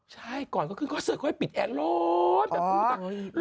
ใช่ก่อนเขาขึ้นคอนเสิร์ตเขาให้ปิดแอร์ร้อนแบบ